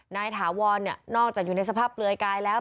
ถาวรนอกจากอยู่ในสภาพเปลือยกายแล้ว